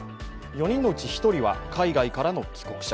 ４人のうち１人は海外からの帰国者。